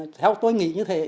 theo tôi nghĩ như thế